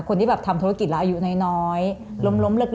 คนที่แบบทำธุรกิจแล้วอายุน้อยล้มเลิก